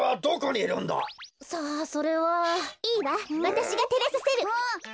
いいわわたしがてれさせる。